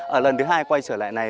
ở lần thứ hai quay trở lại này